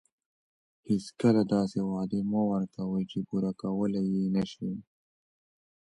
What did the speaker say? هیڅکله داسې وعدې مه ورکوئ چې پوره یې نه شئ.